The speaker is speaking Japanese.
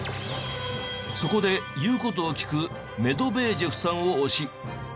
そこで言う事を聞くメドベージェフさんを推し